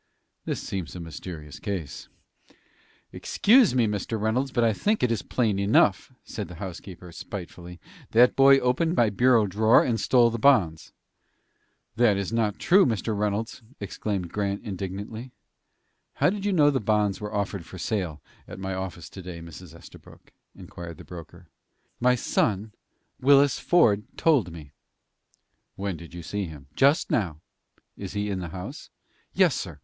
"This seems a mysterious case." "Excuse me, Mr. Reynolds, but I think it is plain enough," said the housekeeper, spitefully. "That boy opened my bureau drawer, and stole the bonds." "That is not true, Mr. Reynolds," exclaimed Grant, indignantly. "How did you know the bonds were offered for sale at my office to day, Mrs. Estabrook?" inquired the broker. "My son Willis Ford told me." "When did you see him?" "Just now." "Is he in the house?" "Yes, sir.